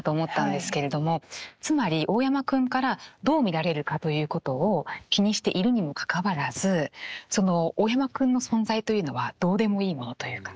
つまり大山くんからどう見られるかということを気にしているにもかかわらず大山くんの存在というのはどうでもいいものというか。